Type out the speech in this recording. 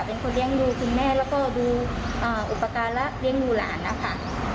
เป็นคนเลี้ยงดูคุณแม่แล้วก็ดูอุปการณ์และเลี้ยงดูหลานนะคะ